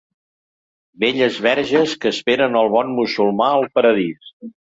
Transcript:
Belles verges que esperen el bon musulmà al paradís.